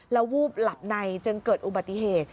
แล้ววูบหลับในจึงเกิดอุบัติเหตุ